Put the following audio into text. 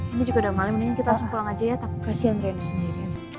ini juga udah malem mendingan kita langsung pulang aja ya takut kasihan rena sendiri